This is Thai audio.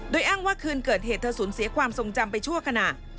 โดยอ้างว่าคืนเกิดเหตุเธอสูญเสียความทรงจำไปชั่วขณะ